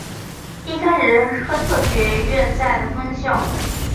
一开始是亨特学院在的分校。